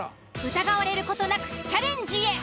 疑われる事なくチャレンジへ。